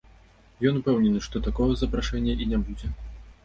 Ён упэўнены, што такога запрашэння і не будзе.